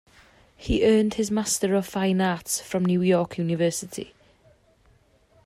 He earned his Master of Fine Arts from New York University.